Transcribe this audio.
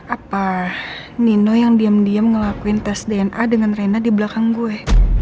apa nino yang diam diam ngelakuin tes dna dengan rena di belakang gue